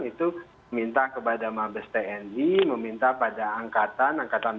itu minta kepada mabes tni meminta pada angkatan